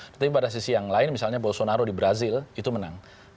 tetapi pada sisi yang lain misalnya bolsonaro di brazil itu menang